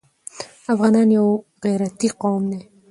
افغانان يو غيرتي قوم دی.